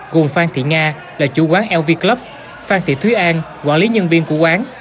gồm phan thị nga là chủ quán lv club phan thị thúy an quản lý nhân viên của quán